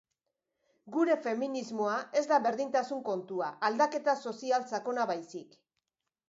Gure feminismoa ez da berdintasun kontua, aldaketa sozial sakona baizik.